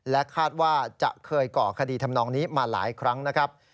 คาดว่าจะเคยก่อคดีทำนองนี้มาหลายครั้งนะครับ